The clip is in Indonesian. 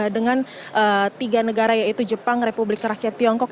dengan tiga negara yaitu jepang republik rakyat tiongkok